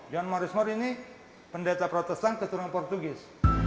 johan maurits moor ini pendeta protestan keturunan portugis